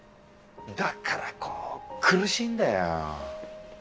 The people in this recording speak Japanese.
だからこう苦しいんだよ。